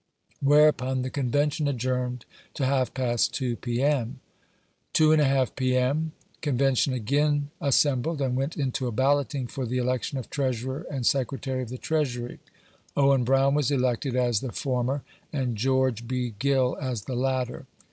Whereupon the Convention adjourned to half past two, P. M. 2 1 2, P. M. Convention again assembled, and went into a balloting for the election of Treasurer and Secretary of the Treasury. Owen Brown was eleeted a& the former, and George B. Gill as the latter.